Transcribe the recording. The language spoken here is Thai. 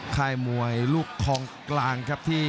ค่ายมวยลูกคลองกลางครับที่